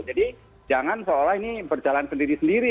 jadi jangan seolah ini berjalan sendiri sendiri